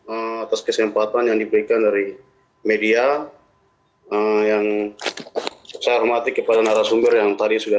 atas kesempatan yang diberikan dari media yang saya hormati kepada narasumber yang tadi sudah